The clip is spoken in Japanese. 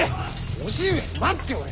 叔父上は待っておれ。